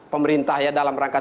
pemerintah ya dalam rangka